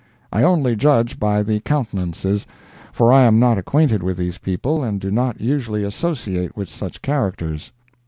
I only judge by the countenances, for I am not acquainted with these people, and do not usually associate with such characters.